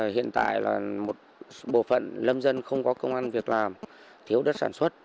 hiện tại là một bộ phận lâm dân không có công an việc làm thiếu đất sản xuất